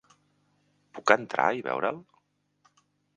Puc entrar i veure'l?